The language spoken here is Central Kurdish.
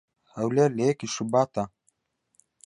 "هەولێر لە یەکی شوباتا"